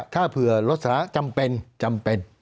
ถ้าเผื่อรถสาธารณะจำเป็น